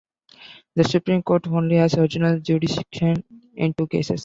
The Supreme Court only has original jurisdiction in two cases.